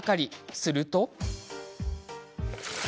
すると。